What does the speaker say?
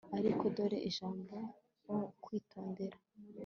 ariko dore ijambo o 'kwitondera